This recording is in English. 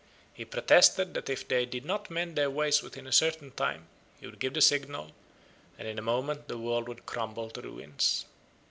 He protested that if they did not mend their ways within a certain time, he would give the signal, and in a moment the world would crumble to ruins.